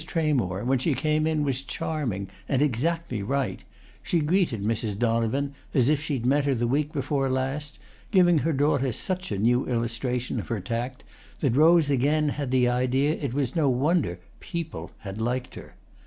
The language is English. Tramore, when she came in, was charming and exactly right; she greeted Mrs. Donovan as if she had met her the week before last, giving her daughter such a new illustration of her tact that Rose again had the idea that it was no wonder "people" had liked her.